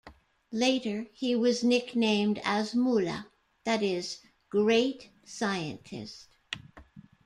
Later he was nicknamed as Mulla, that is, great scientist.